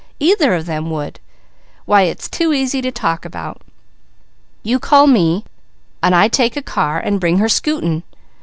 Either of them would! Why it's too easy to talk about! You call me, I take a car and bring her scooting!